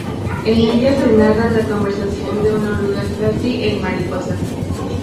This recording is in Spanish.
En ella se narra la conversión de una oruga, Katy, en mariposa.